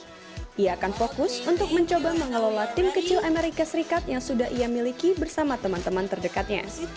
dia akan fokus untuk mencoba mengelola tim kecil amerika serikat yang sudah ia miliki bersama teman teman terdekatnya